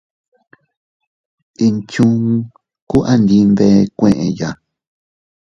Inchuun kuu andi nbee kueʼeya.